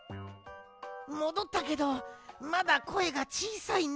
もどったけどまだこえがちいさいね。